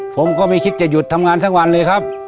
ผมก็ไม่คิดจะหยุดทำงานทั้งวันเลยครับ